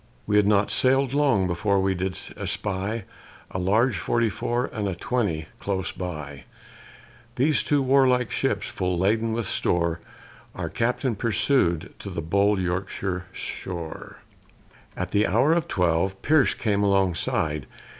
We had not sail'd long before we did espy A large forty four, and a twenty close by: These two warlike ships, full laden with store, Our captain pursued to the bold Yorkshire shore. At the hour of twelve, Pierce came alongside.